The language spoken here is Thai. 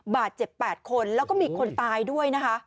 บาดเจ็บ๘คนแล้วก็มีคนตายด้วยนะคะ